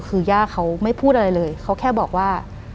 คือย่าเขาไม่พูดอะไรเลยเขาแค่บอกว่า